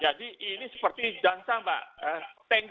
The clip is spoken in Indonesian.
jadi ini seperti dansa mbak tengo